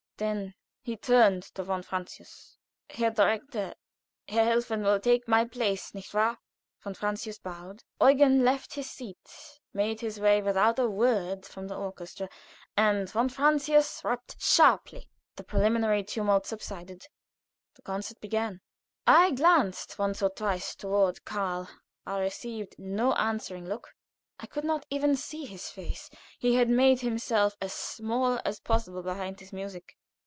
Then he turned to von Francius. "Herr Direktor, Helfen will take my place, nicht wahr?" Von Francius bowed. Eugen left his seat, made his way, without a word, from the orchestra, and von Francius rapped sharply, the preliminary tumult subsided; the concert began. I glanced once or twice toward Karl; I received no answering look. I could not even see his face; he had made himself as small as possible behind his music.